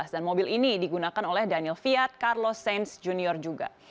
dan mobil ini digunakan oleh daniel fiat carlos sainz jr juga